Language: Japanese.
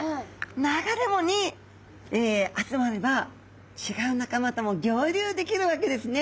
流れ藻に集まれば違う仲間とも合流できるわけですね。